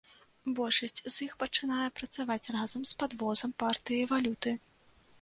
Большасць з іх пачынае працаваць разам з падвозам партыі валюты.